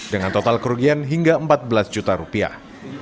dengan total kerugian hingga empat belas juta rupiah